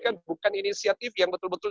kan bukan inisiatif yang betul betul